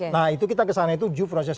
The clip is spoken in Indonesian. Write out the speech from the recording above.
nah itu kita kesana itu juve process